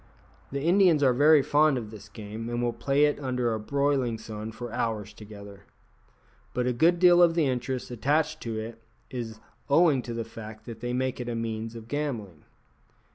The Indians are very fond of this game, and will play at it under a broiling sun for hours together. But a good deal of the interest attaching to it is owing to the fact that they make it a means of gambling.